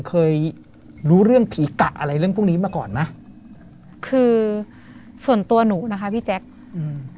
เคยรู้เรื่องผีกะอะไรเรื่องพวกนี้มาก่อนไหมคือส่วนตัวหนูนะคะพี่แจ๊คอืม